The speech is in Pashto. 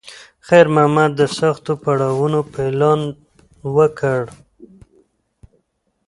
خیر محمد د سختو پړاوونو پلان وکړ.